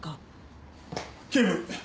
警部！